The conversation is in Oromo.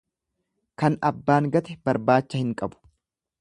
Kan abbaan gate barbaacha hin qabu.